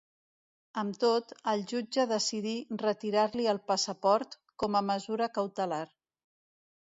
Amb tot, el jutge decidí retirar-li el passaport com a mesura cautelar.